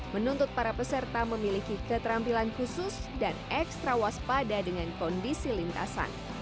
menuntut para peserta memiliki keterampilan khusus dan ekstra waspada dengan kondisi lintasan